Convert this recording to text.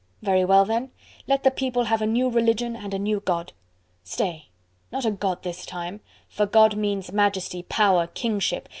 Very well then! let the People have a new religion and a new God. Stay! Not a God this time! for God means Majesty, Power, Kingship!